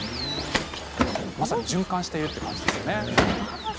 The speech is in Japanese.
まさに循環している感じですね。